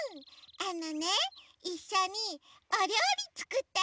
あのねいっしょにおりょうりつくったりしてあそぶの。